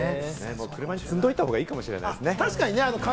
車に積んでおいたほうがいいかもしれませんね。